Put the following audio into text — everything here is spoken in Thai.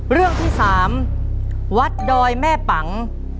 เรื่องที่๓วัดดอยแม่ปัง